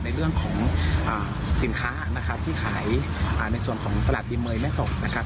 ในเรื่องของสินค้านะครับที่ขายในส่วนของตลาดดีเมย์แม่ส่งนะครับ